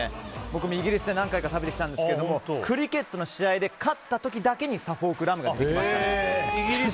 僕もイギリスで何回か食べてきたんですけどクリケットの試合で勝った時だけにサフォークラムが出てきました。